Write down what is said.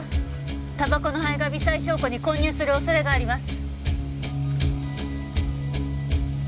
たばこの灰が微細証拠に混入する恐れがあります。